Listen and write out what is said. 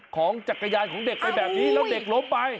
ของจักรยานของเด็กไปแบบนี้แล้วเด็กล้มไป